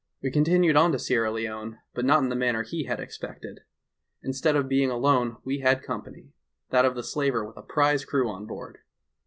"We continued on to Sierra Leone, but not in the manner he had expected. Instead of being alone we had company — that of the slaver with a prize crew on board.